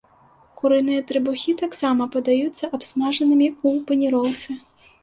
Курыныя трыбухі таксама падаюцца абсмажанымі ў паніроўцы.